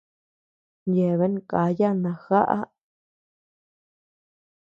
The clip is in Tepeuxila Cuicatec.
Yeabean káya najaá.